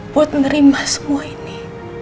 buat menerima semua ini